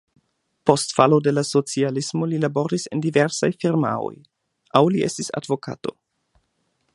Post falo de la socialismo li laboris en diversaj firmaoj, aŭ li estis advokato.